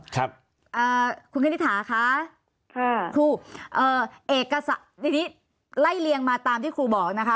ครับอ่าคุณคณิตถาคะค่ะครูเอ่อเอกสารทีนี้ไล่เลียงมาตามที่ครูบอกนะคะ